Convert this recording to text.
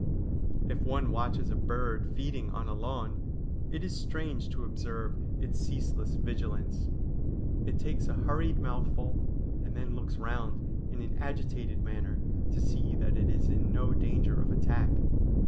If one watches a bird feeding on a lawn, it is strange to observe its ceaseless vigilance. It takes a hurried mouthful, and then looks round in an agitated manner to see that it is in no danger of attack.